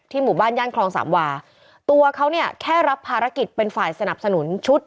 หมู่บ้านย่านคลองสามวาตัวเขาเนี่ยแค่รับภารกิจเป็นฝ่ายสนับสนุนชุด